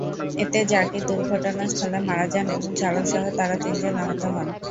এতে জাকির দুর্ঘটনাস্থলে মারা যান এবং চালকসহ তাঁরা তিনজন আহত হন।